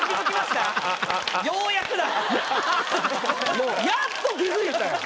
もうやっと気づいたやん。